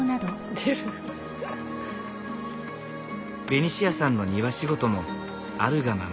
ベニシアさんの庭仕事もあるがままに。